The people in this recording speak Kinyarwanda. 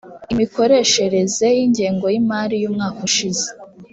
imikoreshereze y ingengo y imari y umwaka ushize